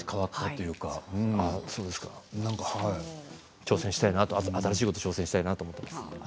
挑戦したいな、新しいことに挑戦したいと思っています。